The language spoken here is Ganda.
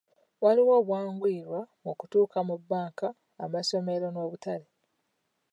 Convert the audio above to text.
Waliwo obwanguyirwa mu kutuuka mu bbanka, amasomero n'obutale.